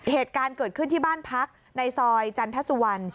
เหตุการณ์เกิดขึ้นที่บ้านพักในซอยจันทสุวรรณ